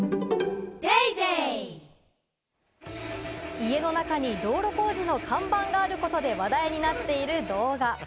家の中に道路工事の看板があることで話題になっている動画。